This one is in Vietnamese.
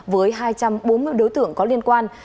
với hai trăm bốn mươi đối tượng có liên quan